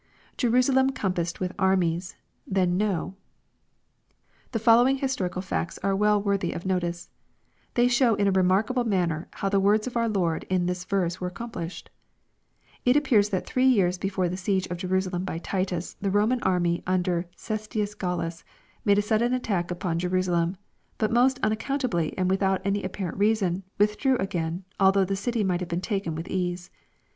\Jerusalem compassed with armies^ then know.] The following historical facts are well worthy of notice. They show in a re markable manner how the words of our Lord in this verse were accomplished. It appears that three years before the siege of Jerusalem by Titus, the Roman army under Oestius Gallus made a sudden attack upon Jerusalem, but most unaccountably and without any apparent reason, withdrew again, although the city might have been taken with ease.